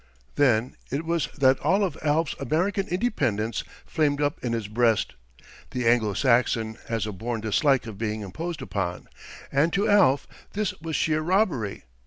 Then it was that all of Alf's American independence flamed up in his breast. The Anglo Saxon has a born dislike of being imposed upon, and to Alf this was sheer robbery!